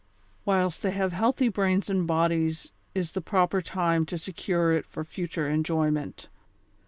Whilst they have healthy brains and bodies is the proper time to secure it for future enjoyment.